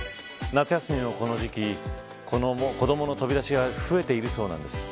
夏休みのこの時期子どもの飛び出しが増えているそうなんです。